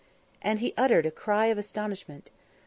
And he uttered a cry of astonishment.